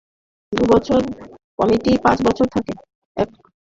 দুবছরের committee পাঁচ বছর থাকে, এটি এখন নিয়মে পরিণত হয়ে গেছে।